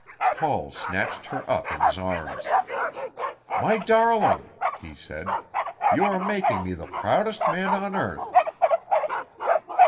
Paul snatched her up in his arms. "My darling!" he said, "you are making me the proudest man on earth!"